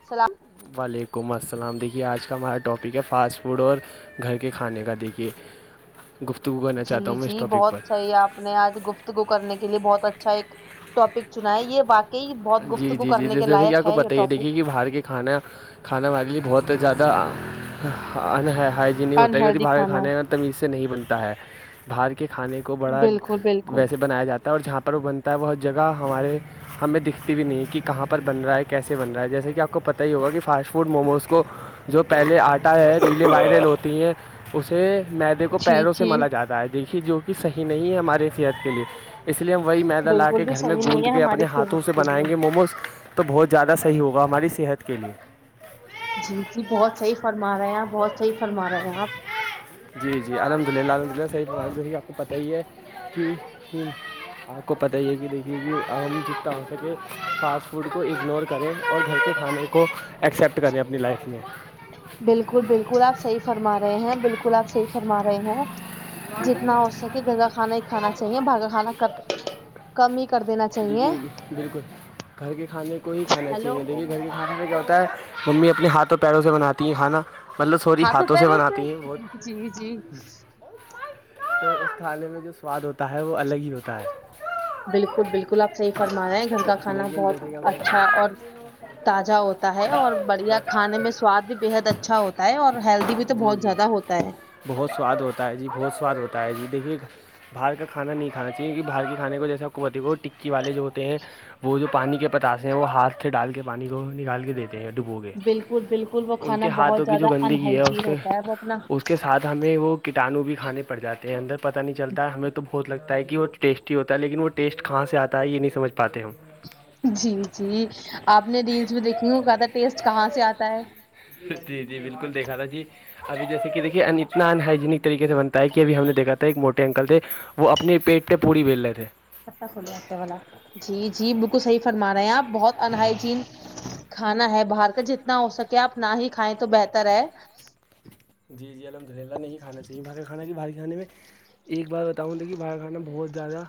سلام وعلیکم السلام دیکھیے آج کا ہمارا ٹاپک ہے فاسٹ فوڈ اور گھر کے کھانے کا دیکے گفتگو کرنا چاہتا جی ہوں میں اس جی ٹاپک بہت پر صحیح آپ نے آج گفت کو کرنے کے لیے بہت اچھا ایک ٹاپک چنا ہے یہ باقی جی جی جی جیسے جیسے کہ آپ کو پتہ یہ دیکھیے ٹاپک کہ باہر کے کھانا کھانا بھگ لیے بہت زیادہ ہائجینک ان ہوتا ہے کیکہ ہیلدی باہر کے کھانا کھانے کا تمیز سے نہیں بنتا ہے باہر کے کھانے کو بڑا بالکل بالکل ویسے بنایا جاتا ہے اور جہاں پر وہ بن تا ہے بہت جگہ ہمارے ہمیں دکھ بھی نہیں کہاں پر بن رہا ہے کیسے بن رہا ہے جیسے کہ آپ کو پتہ ہی ہوگا کہ فاسٹ فوڈ موموز کو جو پہلے آٹا ہے پیلیے وائرل ہوتی ہے اسے مدے کو جی پیروں سے جی ملا جاتا ہے دیکھیے جو صحیح نہیں ہے ہماراری صحت کے لیے اس لیے ہم وہی میدا لا بالکل کے بھی گھر میں صحیح گوند نہیں ہے کے اپنے ہماری ہاتھوں صحت سے کے بنائیں لیے گے موموز تو بہت زیادہ صحی ہوگا ہماری صحت کے لیے جی جی بہت صحیح فرما رہے ہیں آپ بہت صحی فرما رہے ہیں آپ جی جی الحمد للہ الحمدلہ صحیح ب کہ آپ کو پتہ ہی ہے کہ آپ کو پتہ یہ ہے کہ دیکھیے کہ آ جتنا ہو سکے فاسٹ فوڈ کو اگنور کریں اور گھر کے کھانے کو ایکسپٹ کریں اپنی لائف میں بالکل بالکل آپ صحیح فرما رہے ہیں بالکل آپ صحیح فرما رہے ہیں جتنا ہو سکے گگا کانا ہی کھانا چاہیے بھاگا کھانا کب کم ہی کر دینا چاہیے دیکھیے بالکل گھر کے کھانے کو ہی کھانا ہیلو چاہیے دیکھیے گھر کے کھانے میں کیا ہوتا ہے ممی اپنے ہاتھوں پیروں سے بناتی ہیں کھانا مطلب سوری ہاں تو ہاتھوں سے پہروں بناتی ہیں ب جی جی تو اس کھانے میں جو سواد ہوتا ہے وہ الگ ہی ہوتا ہے بالکل بالکل آپ صحیح فرما رہے ہیں گھر کا کھانا لیکن بہت جیسے کہ ہم- اچھا اور تازہ ہوتا ہے اور بڑھیا کھانے میں سواد بھی بےحد اچھا ہوتا ہے اور ہیلدی بھی تو جی بہت جی زیادہ ہوتا تا ہے بہت سواد ہوتا ہے جی بہت سواد ہوتا ہے جی دیکھیے باہر کا کھانا نہیں کانا چاہیے کی کہ باہر کے کھانے کو جیساوتی کو ٹکی والے جو ہوتے ہیں وہ جو پانی کے پتاس ہیں وہ ہاتھ سے ڈال کے پانی کو نکال کے دیتے ہیں ڈبو گ بالکل بالکل وہ کے ان کھانا کے بہت ہاتھوں کی زیادہ جو گندگی ہے اس انہائجین کے ہوتا ہے وہ اپنا اس کے سات ساتھ ہمیں وہ کٹانو بھی کھانے پڑ جاتے ہیں اندر پتہ نہیں چلتا ہے ہمیں تو بہت لگتا ہے کہ وہ ٹیسٹی ہوتا ہے لیکن وہ ٹیسٹ کہاں سے آتا ہے یہ نہیں سمجھ پاتے ہم جی جی آپ نے ریلس میں دیکھی ہوں کہ تھا ٹیسٹ کہاں سے آتا ہے جی جی بالکل دیکھا تھا جی ابھی جیسے کہ دیکے اتنا انہائجینک طریقے سے بنتا ہے کہ اب ہم نے دیکھا تھا ایک موٹے اکل تھے وہ اپنے پیٹ پہ پوڑی بیل رہے تھے والا جی جی بالکل صحیح فرما رہے ہیں آپ بہت انہائجین کھانا ہے باہر کا جتنا ہو سکے آپ نہ ہی کھائیں تو بہتر ہے جی جی الحمدھریلہ نہیں کھااہیے باہر کا کانا کہ بھاری کانے میں ایک بار بتاؤں کہ باہر کھانا بہت زیادہ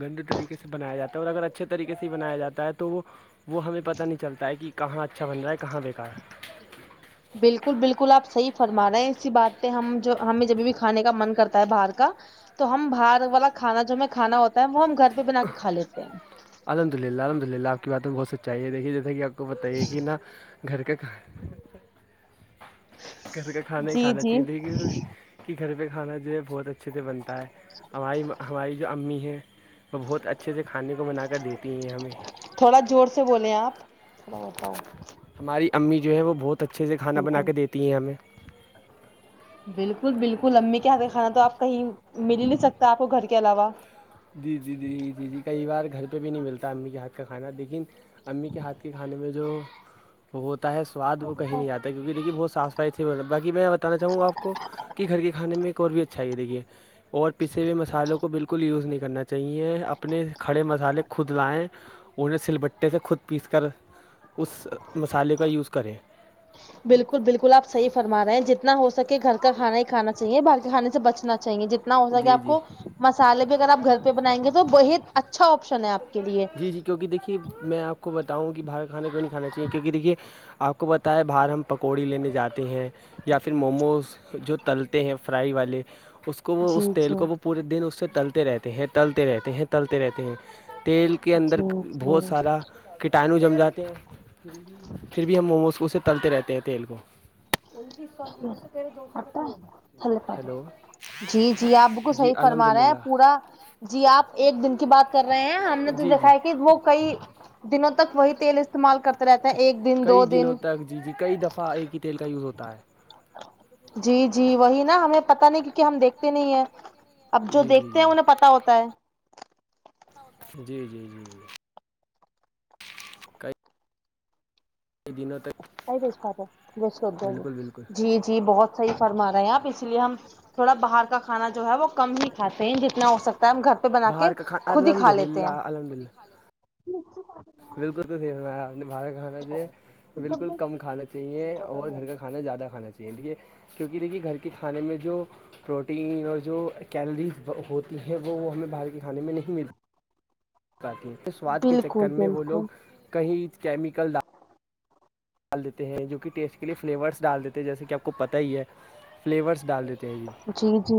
گند طریقے سے بنایا جاتا ہے اور اگر اچھے طریقے سے ہی بنایا جاتا ہے تو وہ وہ ہمیں پتہ نہیں چلتا ہے کہ کہاں اچھا بن رہا ہے کہاں بےیکار ہے بالکل بالکل آپ صحیح فرما رہے ہیں اسی بات پہ ہم ہمیں جبھی بھی کھانے کا من کرتا ہے باہر کا تو ہم باہر والا کھانا جو ہمیں کھانا ہوتا ہے وہ ہم گھر پہ بنا کے کھا لیتے ہیں الحمد للہ الحمد للہ آپ کی باتیں بہت سچائی دیکھیےیے کہ آپ کو بتائیے کہ نا گھر کا کھ گھر کا کھانا ہی جی کھانا جی چاہیے کہ گھر پہ کھانا جو ہے بہت اچھے سے بنتا ہے ہماری ہماری جو امی ہیں وہ بہت اچھے سے کھانے کو بنا کر دیتی ہیں ہمیں بڑ پؤ ہماری امی جو ہے وہ بہت اچھے سے کھانا بنا بالکل کے دیتی ہیں ہمیں بالکل بالکل امی کے ہاتھ کھانا تو آپ کہیں مل ہی نہیں سکتا آپ کو گھر کے علاوہ جی جی جی جی جی کئی بار گھر پہ بھی نہیں ملتا امی کے ہاتھ کا کھانا لیکن امی کے ہاتھ کے کھانے میں جو وہ ہوتا ہے سواد وہ کہیں نہیں آتا ہے کیونکہ دیکھین بہت صاف بای میں بتانا چاہوں گا آپ کو کہ گھر کے کانے میں اور بھی اچھا یہ دیکھیے اور پیھے ہوئے مسالوں کو بالکل یوز نہیں کر کرنا چاہیے اپنے کڑے مسالے خود لائیں انہیں سل بٹے سے خود پیس کر اس مسالے کا یوز کریں بالکل بالکل آپ صح فرماے ہیں جتنا ہو سکے گھر کا کھانا ہی کھا چاہیے باہر کے کھانے سے بچنا چاہیے جتنا تنا ہو سک جی آپ جی کو مسالے بھی اگر آپ گھر پہ بنائیں گے تو بہت اچھا آپشن ہے آپ کے لیے جی جی کیونکہ دھیے میں آپ کو بتاؤں کہ باہر کھانے کیوں نہیں کھانا چاہیے کیوںک دیکھیے آپ کو بتاائے باہر ہم پکوڑی لینے جاتے ہیں یا پھر موموز جو تلتے ہیں فرائی والے اس کو وہ جی اس تیل جی کو وہ پورے دن اس سے تلتے رہتے ہیں تلتے رہتے ہیں تلتے رہتے ہیں تیز کے اندر جی جی بہت سارا کٹانو جم جاتے ہیں پھر بھی ہم موموز کو اسے تلتے رہتے ہیں تیل کو انتیس سو روپے دو آٹا سو تھلے پا دو کلو جی جی آپ بال کو صحیح فرما رہا ہے پورا جی آپ ایک دن کی بات کر رہے ہیں ہم نے تو جی جی دیکھا ہے کہ وہ کئی دنوں تک وہی تیل استعمال کرتے رہتے ہیں ایک دن کئی دو دنوں دن جی جی کئی دفع آ تیل کا یوز ہوتا ہے جی جی وہی نا ہمیں پتا نہیں کیونکہ ہم دیکھتے نہیں ہیں اب جو جی جی دیکھتے جی ہیں انہیں پتا ہوتا ہے جی جی جی ک دنوں تک بالکل بالکل جی جی بہت صحیح فرما رہے ہیں آپ اس لیے ہم تھوڑا باہر کا کھانا جو ہے وہ کم ہی کھاتے ہیں جتنا ہو سکتا ہے ہم گھر بنا کے باہر کا کھانا خود ہی الحمد کھا لیتے للہ ہیں الحمد للہ بالکل تو صحیح بنایا آپ نے باہر کا کھانا جو بالکل کم کھانا چاہیے اور گھر کاھ کھانا زیادہ کھانا چاہیے دیکھیے کیونکہ دیکھیے گھر کے کھانے میں جو پروٹین اور جو کیلریز ہوتی ہیں وہ ہمیں باہر کے کھانے میں نہیں ملتی تی ہیں اس سواد کے چکر بالکل میں وہ لوگ بالکل کہیں کیمیکل ڈال ڈال دیتے ہیں جو کہ ٹیسٹ کے لیے فلیورس ڈال دیتے ہیں جیسے کہ آپ کو پتہ ہی ہے فلیورس ڈال دیتے ہیں جی جی جی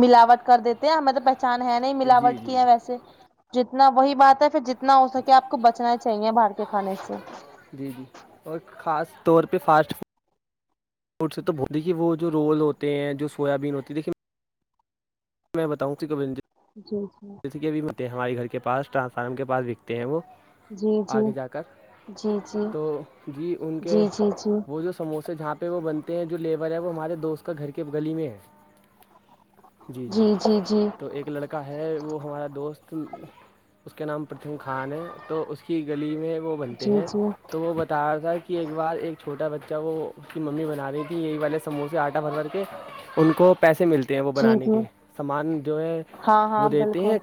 ملاوٹ کر دیتے ہیں ہمیں تو پہچان ہے نہیں جی ملاوٹ کی جی ہے ویسے جتنا وہی بات ہے پھر جتنا ہو سکے آپ کو بچنا ہی چاہیے باہر کے کھانے سے جی جی اور خاص طور پہ فاسٹ فڈ تو دیکے وہ جو رول ہوتے ہیں جو سویابین ہوتی ہے دیکھی میں بتاؤں کبی جی جی بھی ہوتے ہیں ہمارے گھر کے پاس ٹرانسفارمر کے پاس بکتے ہیں وہ جی جی آگے جا کر جی جی تو جی ان کے جی جی جی وہ جو سموسے جہاں پہ پہ وہ بنتے ہیں جو ل لیبر ہے وہ ہمارے دوست کا گھر کے گلی میں ہے جی جی تو ایک لڑک ہے وہ ہمارا دوست اس کا نام پرتھم خان ہے تو اس کی گلی میں وہ بنتے جی جی ہیں تو وہ بتا رہا تھا کہ ایک بار ایک چھوٹا بچہ کو کی ممی بنا رہی تھی یہی والے سموسے آٹا بھر کر کے ان کو پیسے ملتے ت ہیں وہ جی بنانے جی کے سامان جو ہے ہاں وہ ہاں دیتے بالکل ہیں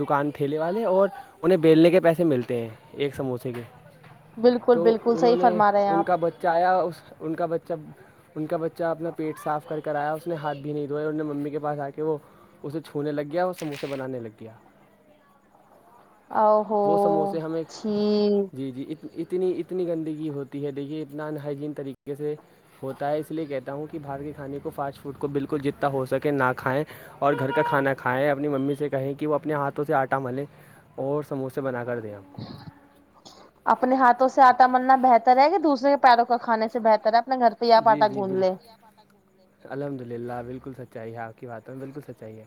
دکان ھیلے والے اور انہیں بیلنے کے پیسے ملتے ہیں ایک سموسے کے بالکل تو بالکل انہوں صحیح نے فرما رہے ہیں ان آپ کا بچہ آیا ان کا بچہ ان کا بچہ اپنا پیٹ صاف کر آیا اس نے ہاتھ بھی نہیں دھوئے اور ان میں ممی کے پاس آ کے وہ اسے چھونے لگ گیا اور سموسے بنانے لگ گیا ا ہوو وہ سموسے ہمیں چھی جی جی ایک اتنی اتنی گندگی ہوتی ہے دیکھیے اتنا ان ہائجین طریقے سے ہوتا ہے اس لیے کہتا ہوں کہ بھارت کے کھانے کو فاسٹ فوڈ کو بالکل جتنا ہو سکے نہ کھائیں اور گھر کا کھانا کھائےیں ا اپنی ممی سے کہیں کہ وہ اپنے ہاتھوں سے آٹا ملیں اور سموسے بنا کر دیں آپ کو اپنے ہاتھوں سے آٹا ملنا اس بہتر ہے کہ دوسرے کے پیروں کا کھانے سے بہتر ہے نا گھر تویا پٹات گون لے پانہ گگ الحمد للہ بالکل سچائی ہے آپ کی باتوں میں بالکل سچائی ہے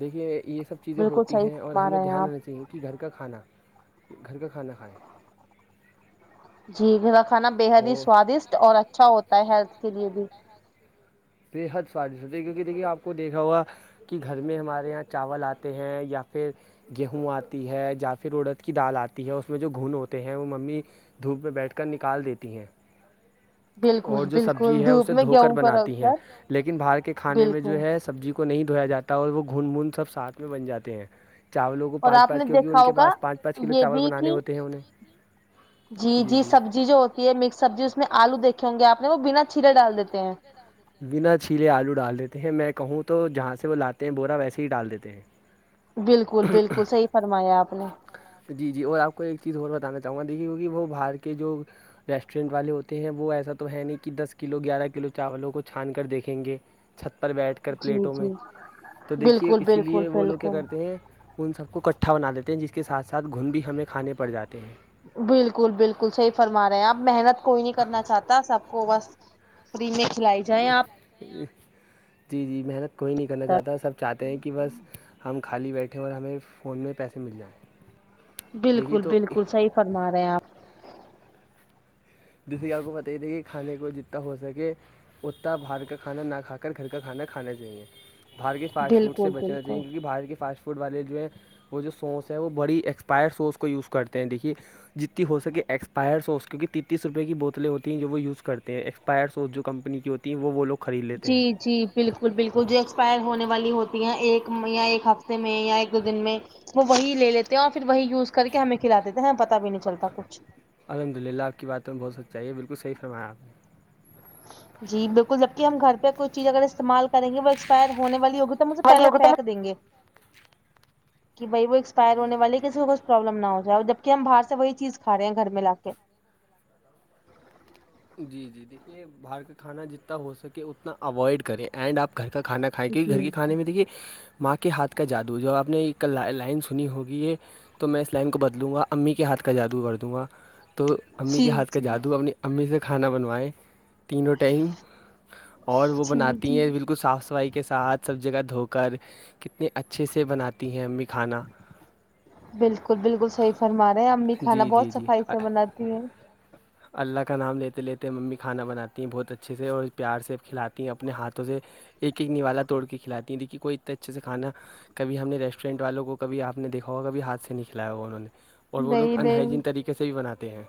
دیکھیے یہ سب چیزیں بالکل ہوتی صحیح ہیں اور فرما ہمیں رہے ہیں دھیان آپ رنا چاہیے کہ گھر کا کھانا گھر کا کھانا کھائائے جی ما کھانا بے حد ہی اور سوادشٹ اور اچھا ہوتا ہے ہیلتھ کے لیے بھی بےحد سوادش ہوتی ہے کیونکہ دیکے آ کو دھا ہوا کہ گھر میں ہمارے یہاں چاول آتے ہیں یا پھر گیہوں آتی ہے یا پھر عڑد کی دال آتی ہے اس میں جو گھن ہوتے ہیں وہ ممی دھوپ میںہ بیٹھ کر نکال دیتی ہیں اور بالکل جو بالکل سبزی ہے دھوپ اسے میں دھو کر گیہوں کو رکھ بناتی ہے کر لیکن باہر کے کھانے میں بالکل جو ہے سبزی کو نہیں دھویا جاتا اور وہ گھن بھن سب ساتھ میں بن جاتے ہیں چاولوں کو اور پانچ آپ نے پانچ کیونکہ ان دیکھا کے پا ہوگا پانچ پانچ کل یہ چاول بھی بنے کہ ہوتے ہیں انہیں جی جی سبزی جو ہوتی ہے مکس سبزی اس میں آلو دیکھ ہوںے آ نے وہ بنا چھیلے ڈال دیتے ہیں بنا چھیلے آلو ڈال دیتے ہیں میں کہوں تو جہاں سے وہ لاتے ہیں بورا ویسے ہی ڈال دیتے ہیں بالکل بالکل صحی فرمایا آپ نے جی جی اور آپ کو ایک چیز اور بتانا چاہوں گا دیکھیے کہ وہ باہار کے جو ریسٹورینٹ والے ہوتے ہیں وہ ایسا تو ہے نہیں کہ دس کلو گیارہ کلو چاولوں کو چھان کر دیکھیں گے چھت پر بیٹھ کر جی پلیٹوں میں جی تو دیکھیے بالکل اسی بالکل لیے وہ لوگ کیا بالکل کرتے ہیں ان سب کو کٹھا بنا دی ہیں جس کے ساتھ ساتھ گھن بھی ہمیں کھانے پڑ جاتے ہیں بالکل بالکل صحیح فرما رہے ہیں آپ محنت کوئی نہیں کرنا چاہتا سب کو بس فری میں کھلائی جائیں آپ جی جی محنت کوئی نہیں کرنا چاہتا سب چاہتے ہیں کہ بس ہم خالی بیٹھے اور ہمیں فون میں پیسے مل جائیں دیکھیے بالکل تو بالکل صحیح فرما رہے ہیں آپ جسے کہ آپ کو بت ہی تھاے کہ کھانے کو جتنا ہو سکے اتتا باہر کا کھانا نہ کھا کر گھر کا کھانا کھانا چاہیے بھار کے فاسٹ فوڈ سے بالکل بچنا بالکل چاہیے کیونکہ بارت کے فاسٹ فوڈ والے جو ہیں وہ جو سوس ہے وہ بڑی ایکسپائر سوس کو یوز کرتے ہیں دیکھیے جتنی ہو سکے ایکسپائر سو کیونکہ تتنی روپ کی بتیں ہوتی ہیں جو وہ یوزتے ہیں ایکسپائر جومپنی کی ہوتی وہ لو خرید لیتے جی ہیں جی بالکل بالکل جو ایکسپائر ہونے والی ہوتی ہیں ایک یا ایک ہفتے میں یا ایک دو دن میں وہ وہی لے لیتے ہیں اور پھر وہی یوز کر کے ہمیں کھلا دیتے ہیں ہم پتا بھی نہیں چلتا کچھ الحمد للہ آپ کی بات میں بتچ چاہیے باللح فمایاپ نے جی بالکل جبک ہم گھر پہ کوئی چیز اگر استعمال کریں گے وہ ایکسپائر ہو والی ہو تو مے پہلے پھینک دیں گے کہ بھائی وہ ایک پائر جی جی ہونے جی والی جی ہے کسی جی کوچھ پروابلم نہ ہو جائے اور جب کہ ہم باہر سے وہی چیز کھاے ہیں گھر میں لا کے جی جی دیکھیے باہر کا کھانا جتنا ہو سکے اتنا اوائڈ کریں اینڈ آپ گھر کا کھانا کھائیں کیونکہ گھر جی کے کھانے میں دیکھیے ماں کے ہاتھ کا جادو جو آپ نے ایک لائن سنی ہوگی یہ تو میں اس لائن کو بدلوں گا امی کے ہاتھ کا جادو کر دوں گا تو امی کے جی ہاتھ کا جی جادو اپنی امی سے کھانا بنوائےیں تینوں ٹائم اور وہ جی بناتی جی ہیں بالکل صاف صفائی کے ساتھ سب جگہ دھو کر کتنے اچھے سے بناتی ہیں ا بھی کھانا بالکل بالکل صحیح فرما رہے ہیں امی کھانا جی جی بہت صفائی جی سے بناتی ہیں اللہ کا نام لیتے لیتے ممی کھانا بناتی ہیں بہت اچھے سے اور پیار سے کھلاتی ہیں اپنے ہاتھوں سے ایک ایک نوالا توڑ کے کھلاتی ہیں تھھییک کہ کوئی اتنے اچھے سے کھانا کبھی ہم نے ریسٹورینٹ والوں کو کبھیپ نے دیکھا ہوا کبھی ہاتھ سے نہیں کھلایا ہوا انہوں نے اور وہ لوگ نہیں نہیں انہائجین طریقے سے بھی بناتے ہیں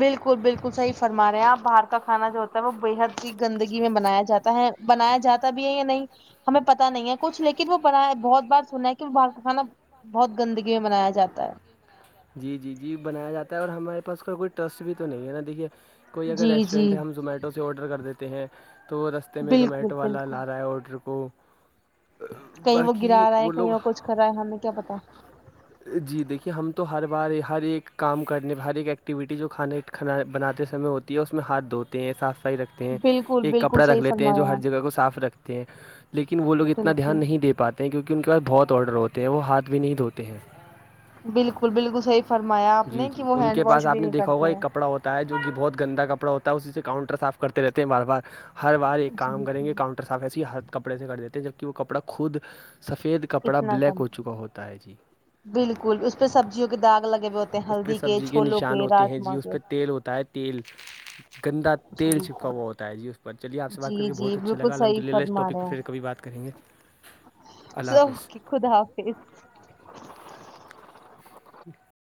بالکل بالکل صحی فرما رہے ہیں آپ باہر کا کھا جو مطب وہ بےحد ہی گندگی میں بنایا جاتا ہے بنایا جاتا بھی ہے یا نہیں ہمیں پت نہیں ہے کچھ لیکن وہ ب ہے بہت بار سننا ہے کہ وہ باہر کا کانا بہت گندگی میں منایا جاتا ہے جی جی جی بنایا جاتا ہے اور ہمارے پاس اس کا کوئی ٹرسٹ بھی تو نہیں ہے نا دیکھیے کوئی اگر جی جی ریسٹورینٹ ہے ہم زومیٹو سے آرڈر کر دیتے ہیں تو رس ہفتے میں بالکل زومیٹو والا بالکل لا رہا ہے آرڈر کو کہیں وہ گرا باقی رہا ہے کہیں لوگ وہ کچھ کر رہا ہے ہمیں کیا پتا جی دیکھیے ہم تو ہر بار ہر ایک کام کرنے پ ہر ایک ایکٹیویٹی جو کھانے کھانا بناتے سمے ہوتی ہے اس میں ہاتھ دھوتے ہیں صاف صفائی رکھتے ہیں بالکل ایک بالکل کپڑا رکھ صحیح لیتے ہیں جو فرمایا ہر آپ جگہ کو صاف رکھتے ہیں لیکن وہ لوگ اتنا دھیان بالکل نہیں دے پاتے ہیں کیونکہ ان کے پاس بہت آرڈر ہوتے ہیں وہ ہاتھ بھی نہیں دھوتے ہیں بالکل بالکل صحیح فرمایا آپ جی نے کہ وہ ہینڈ واش بھی نہیں کرتے ہیں تا ہے جو کہ بہت گندا کپڑا ہوتا ہے اسی سے کاؤنٹر صاف کرتے رہتے ہیں بار بار ہر بار ایک کام جی کریں گے جی کاؤنٹر صاف ایسے ہی ہر کپڑے سے کر دیتے ہیں جبکہ وہ کپڑا خود سفید کپڑا اتنا بلیک کم ہو چکا ہوتا ہے جی بالکل اس پہ سبزیوں کے داغ لگے ہوئے ہوتے ہیں اس پہ ہلدی سبزی کے چھولوں نشان ہوتے ہیں جی راجما اس کے پہ تیل ہوتا ہے تیل گندا جی تیل چپکا ہوا ہوتا ہے جی بٹ چلیے آپ سے بات کر جی کے جی بہت اچھا بالکل لگا صحیح الحمدللہ اس فرما ٹاپک رہے پھر ہیں کبھی بات کریں گے اللہ حافظ اوکے خدا حافظ [inaudible]